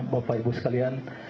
bapak ibu sekalian